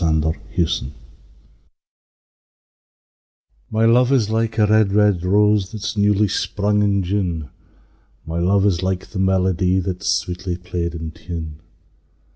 A Red, Red Rose O MY Luve 's like a red, red rose That 's newly sprung in June: O my Luve 's like the melodie That's sweetly play'd in tune!